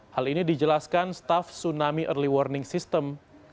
hal ini dijelaskan staff tsunami early warning system